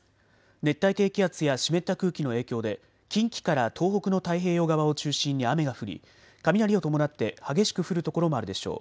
熱帯低気圧や湿った空気の影響で近畿から東北の太平洋側を中心に雨が降り、雷を伴って激しく降る所もあるでしょう。